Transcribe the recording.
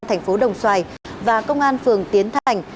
thành phố đồng xoài và công an phường tiến thành